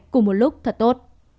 cùng một lúc thật tốt